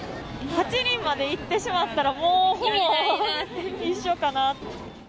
８人までいってしまったら、もうほぼ一緒かな。